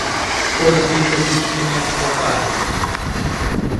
От він тобі, щеня, покаже хліб!